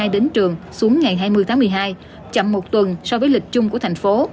đến trường xuống ngày hai mươi tháng một mươi hai chậm một tuần so với lịch chung của thành phố